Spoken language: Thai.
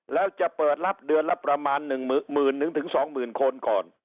แล้วจะเปิดรับเดือนรับประมาณมื่นหรือสองหมื่นคนก่อน